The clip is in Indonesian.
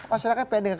masyarakat pengen denger